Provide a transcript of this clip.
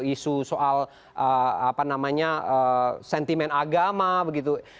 isu soal apa namanya sentimen agama begitu